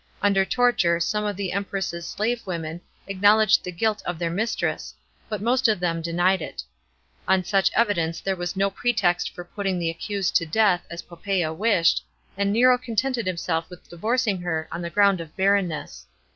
Under torture some of the Empress's slave women, acknowledged the guilt of fieir mistress, but most of them denied it. On su3h evidence there was no pretext for put iug the accused to death, as Poppasa wished, and Nero content d himself with divorcing her on the ground of barrenness.